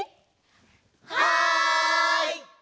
はい！